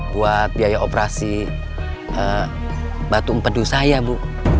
buat biaya operasi batu empedu saya bu